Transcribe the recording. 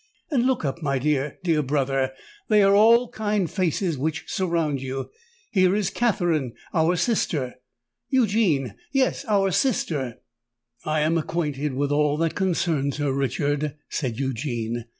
And look up, my dear—dear brother: they are all kind faces which surround you! Here is Katherine—our sister, Eugene—yes, our sister——" "I am acquainted with all that concerns her, Richard," said Eugene.